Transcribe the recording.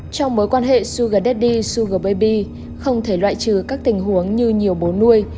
trong mối quan hệ sugar daddy sugar baby không thể loại trừ các tình huống như nhiều bồ nuôi